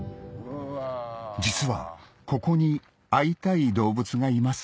実はここに会いたい動物がいます